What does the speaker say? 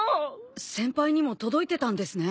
先輩にも届いてたんですね。